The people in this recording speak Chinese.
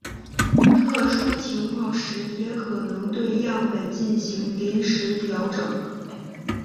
特殊情况时也可能对样本进行临时调整。